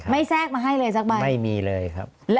แทรกมาให้เลยสักใบไม่มีเลยครับ